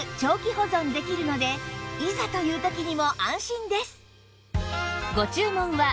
保存できるのでいざという時にも安心です